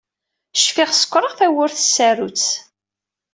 Cfiɣ sekṛeɣ tawwurt s tsarut.